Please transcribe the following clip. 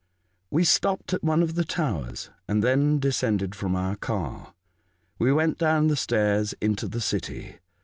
We stopped at one of the towers, and then descended from our car. We went down the stairs into the city.